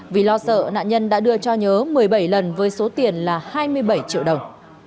vì lo sợ nạn nhân đã đưa cho nhớ một mươi bảy lần với số tiền là hai mươi bảy triệu đồng